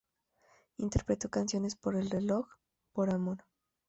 Interpretó canciones como "El reloj", "Por amor".